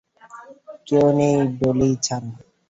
কেউ নেই ডলি ছাড়া।